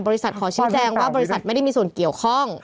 ขอชี้แจงว่าบริษัทไม่ได้มีส่วนเกี่ยวข้อง